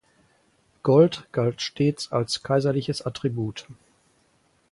Gold galt stets als kaiserliches Attribut.